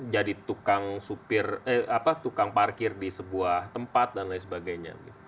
jadi tukang parkir di sebuah tempat dan lain sebagainya